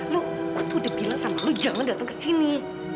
lu ku tuh udah bilang sama lu jangan datang kesini